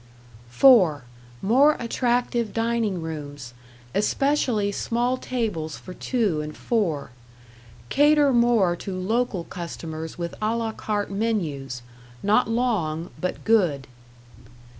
"(4) More attractive dining rooms. Esp. small tables for 2 and 4. Cater more to local customers with à la carte menus not long but good.